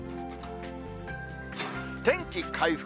天気回復。